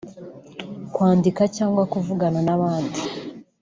kwandika cyangwa kuvugana n’abandi